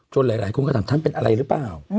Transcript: จนหลายคนก็ติดตามท่านเป็นอะไรรึเปล่า